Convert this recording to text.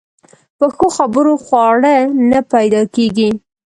په ښو خبرو خواړه نه پیدا کېږي.